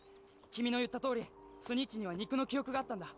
君の言ったとおりスニッチには肉の記憶があったんだ